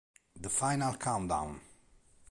The Final Countdown